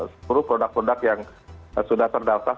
seluruh produk produk yang sudah terdaftar